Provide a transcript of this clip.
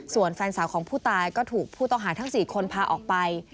ส่วนแฟนสาวของผู้ตายก็ถูกผู้ต้องหาทั้ง๔คนพาออกไป